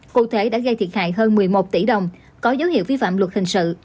cụ thể đã gây thiệt hại hơn một mươi một tỷ đồng có dấu hiệu vi phạm luật hình sự